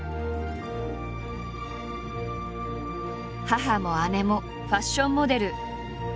母も姉もファッションモデル。